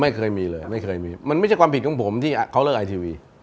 ไม่เคยมีเลยไม่เคยมีมันไม่ใช่ความผิดของผมที่เขาเลิกไอทีวี